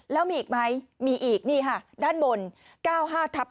แล้วมีอีกไหมมีอีกนี่ค่ะด้านบน๙๕ทับ๑